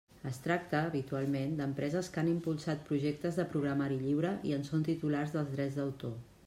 Es tracta, habitualment, d'empreses que han impulsat projectes de programari lliure i en són titulars dels drets d'autor.